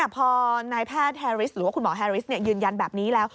พอนายแพทย์แฮริสหรือว่าคุณหมอแฮริสยืนยันแบบนี้แล้ว